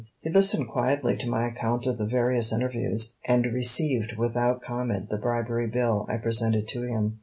He listened quietly to my account of the various interviews, and received without comment the bribery bill I presented to him.